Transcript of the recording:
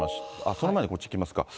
その前にこっちいきますか。